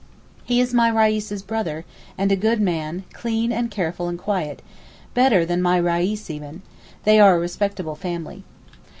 He is my Reis's brother, and a good man, clean and careful and quiet, better than my Reis even—they are a respectable family.